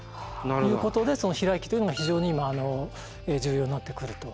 ということで避雷器というのが非常に今重要になってくると。